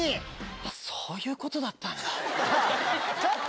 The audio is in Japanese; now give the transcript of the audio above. そういうことだったんだ。